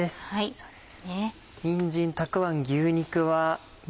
そうですね。